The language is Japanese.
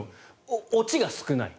落ちが少ない。